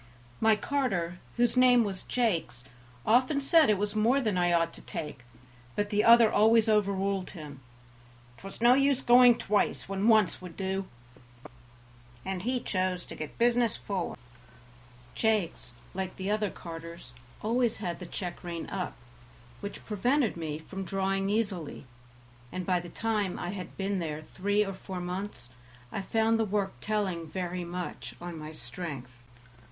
My carter, whose name was Jakes, often said it was more than I ought to take, but the other always overruled him. "'Twas no use going twice when once would do, and he chose to get business forward." Jakes, like the other carters, always had the check rein up, which prevented me from drawing easily, and by the time I had been there three or four months I found the work telling very much on my strength.